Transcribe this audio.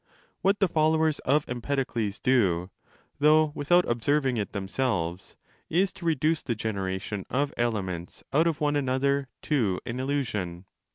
(1) What the followers of Empedocles do, though without observing it themselves, is to reduce the generation of elements out of one another to an illusion.